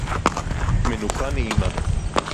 מנוחה נעימה